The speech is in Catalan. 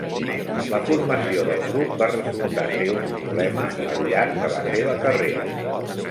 La formació del grup va resultar ser un problema al llarg de la seva carrera.